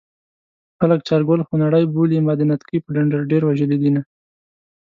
خلک چارګل خونړی بولي ما د نتکۍ په ډنډر ډېر وژلي دينه